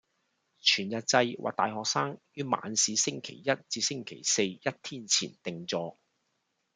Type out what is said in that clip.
全日制或大學生於晚市星期一至星期四一天前訂座